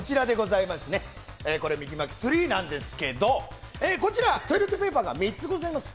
ミキ・マキ３なんですけどこちら、トイレットペーパーが３つございます。